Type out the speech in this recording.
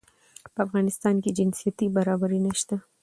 په افغانستان کې جنسيتي برابري نشته